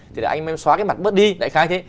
thì là anh xóa cái mặt bớt đi lại khai thế